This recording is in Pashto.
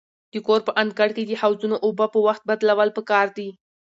د کور په انګړ کې د حوضونو اوبه په وخت بدلول پکار دي.